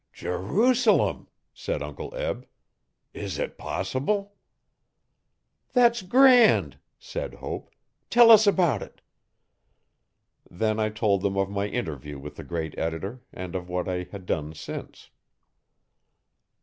'Jerusalem! said Uncle Eb. 'Is it possible?' 'That's grand! said Hope. 'Tell us about it.' Then I told them of my interview with the great editor and of what I had done since.